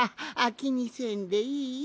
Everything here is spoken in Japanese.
きにせんでいいよ。